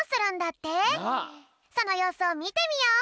そのようすをみてみよう！